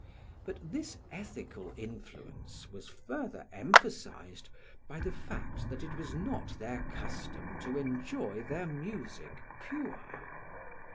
But this ethical influence was further emphasised by the fact that it was not their custom to enjoy their music pure.